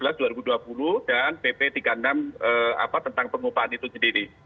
kami juga berpikir bahwa ini adalah hal yang sangat penting untuk memperbaiki kemampuan pengupaan itu sendiri